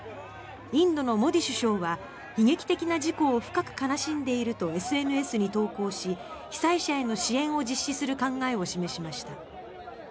インドのモディ首相は悲劇的な事故を深く悲しんでいるとＳＮＳに投稿し被災者への支援を実施する考えを示しました。